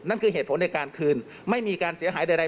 นั่นคือเหตุผลในการคืนไม่มีการเสียหายใด